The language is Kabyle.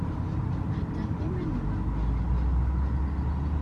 Heddnet iman-nwen.